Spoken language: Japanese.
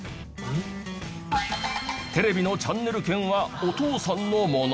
テレビのチャンネル権はお父さんのもの。